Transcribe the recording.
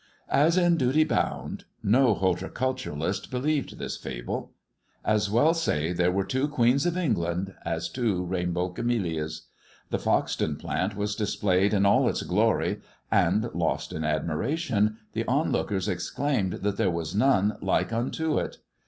As in duty bound no horticul turist believed this fable. As well say there were two Queens of England, as two rainbow camellias. The Foxton plant was displayed in all its glory, and, lost in admiration, the onlookers exclaimed that there was none like unto it.